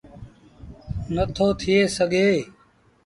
نٿو ٿئي سگھي۔